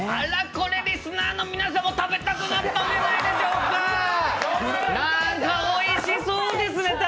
これ、リスナーの皆さんも食べたくなったんじゃないでしょうか！